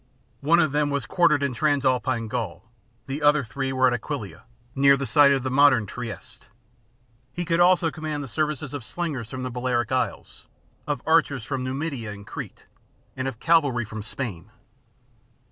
^ One of them was quartered in Transalpine Gaul : the other three were at Aquileia, near the site of the modern Trieste. He could also command the services of slingers from the Balearic Isles, of archers from Numidia and Crete, and of cavalry from Spain.